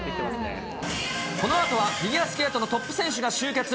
このあとはフィギュアスケートのトップ選手が集結。